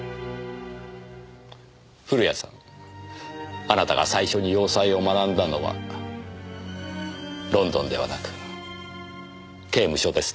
古谷さんあなたが最初に洋裁を学んだのはロンドンではなく刑務所ですね。